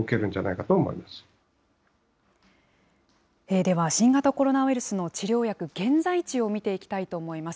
では、新型コロナウイルスの治療薬、現在地を見ていきたいと思います。